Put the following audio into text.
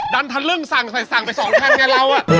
ดันทะลึ่งสั่งไป๒แหลงงานเราอะ